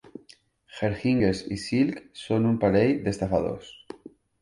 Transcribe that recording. Her Highness i Silk són un parell d'estafadors.